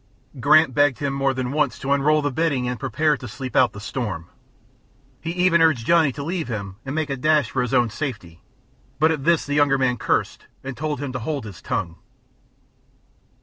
Grant begged him more than once to unroll the bedding and prepare to sleep out the storm; he even urged Johnny to leave him and make a dash for his own safety, but at this the younger man cursed and told him to hold his tongue.